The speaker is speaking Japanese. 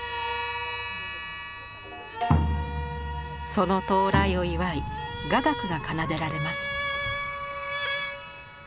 その到来を祝い雅楽が奏でられます。